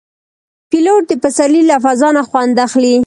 پیلوټ د پسرلي له فضا نه خوند اخلي.